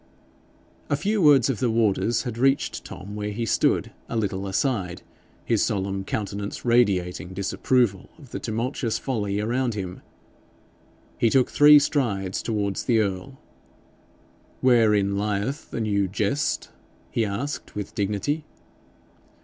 A few words of the warder's had reached Tom where he stood a little aside, his solemn countenance radiating disapproval of the tumultuous folly around him. He took three strides towards the earl. 'Wherein lieth the new jest?' he asked, with dignity.